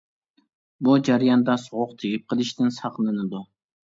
بۇ جەرياندا سوغۇق تېگىپ قىلىشتىن ساقلىنىدۇ.